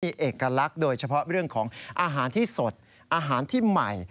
มีเอกลักษณ์โดยเฉพาะเรื่องของอาหารที่สดอาหารที่ใหม่